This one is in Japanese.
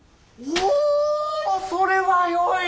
おおそれはよい！